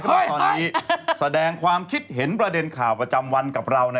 คนรดผมเป็นไข้บาดใหญ่สายพันเอ